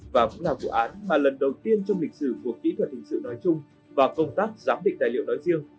và cũng là vụ án mà lần đầu tiên trong lịch sử của kỹ thuật hình sự nói chung và công tác giám định tài liệu nói riêng